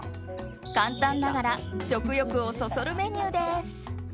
簡単ながら食欲をそそるメニューです。